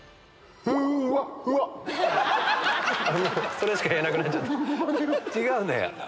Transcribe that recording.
それしか言えなくなっちゃった。